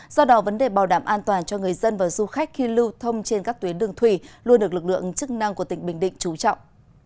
do đó vấn đề bảo đảm an toàn cho người dân và du khách khi lưu thông trên các tuyến đường thủy luôn được lực lượng chức năng của tỉnh bình định trú trọng